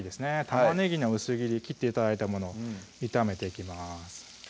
玉ねぎの薄切り切って頂いたもの炒めていきます